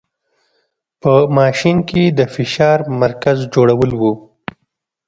په ماشین کې د فشار مرکز جوړول و.